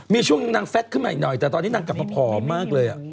มีช่วงนางแฟทขึ้นมาอีกหน่อยแต่ตอนนี้นางกลับมาผอมมากเลย